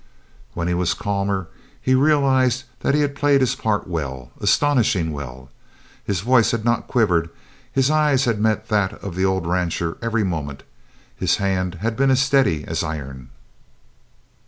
When he was calmer, he realized that he had played his part well astonishingly well. His voice had not quivered. His eye had met that of the old rancher every moment. His hand had been as steady as iron.